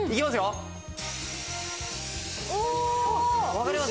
わかります？